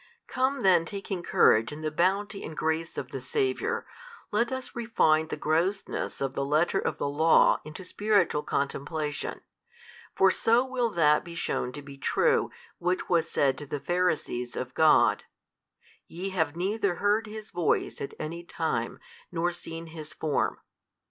Come then taking courage in the bounty and grace of the Saviour, let us refine the grossness of the letter of the law into spiritual contemplation: for so will that be shewn to be true which was said to the Pharisees of God; Ye have neither heard His Voice at any time nor seen His Form.